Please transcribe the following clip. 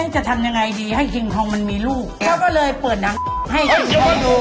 จะทำยังไงดีให้คิงทองมันมีลูกเขาก็เลยเปิดหนังให้ชิงทองดู